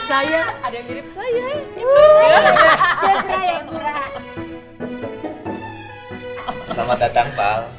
selamat datang pak